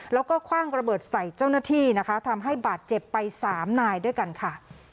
แล้วก็คว่างระเบิดใส่เจ้าหน้าที่นะคะทำให้บาดเจ็บไปสามนายด้วยกันค่ะ